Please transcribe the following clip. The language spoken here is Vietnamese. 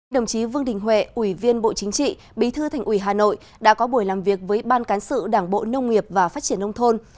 đồng chí vương đình huệ ủy viên bộ chính trị bí thư thành ủy hà nội đã có buổi làm việc với ban cán sự đảng bộ nông nghiệp và phát triển nông thôn